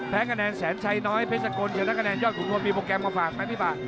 แพ้กระแนนแสนชัยน้อยเพชรสกลชนะกระแนนยอดขุมงวลมีโปรแกรมขอฝากไปพี่ป่า